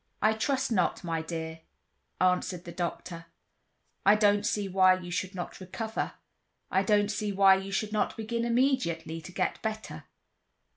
"I trust not, my dear," answered the doctor. "I don't see why you should not recover. I don't see why you should not begin immediately to get better.